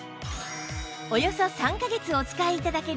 およそ３カ月お使い頂ける